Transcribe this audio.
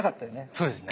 そうですね。